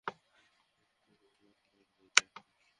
এসো, আমাদের যেতে হবে।